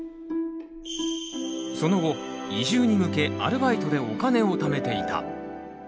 その後移住に向けアルバイトでお金をためていた。